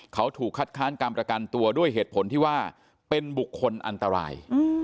เขาถูกคัดค้านการประกันตัวด้วยเหตุผลที่ว่าเป็นบุคคลอันตราย